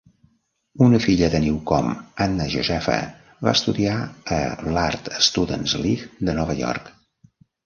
Una filla de Newcomb, Anna Josepha, va estudiar a l'Art Students League de Nova York.